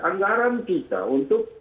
anggaran kita untuk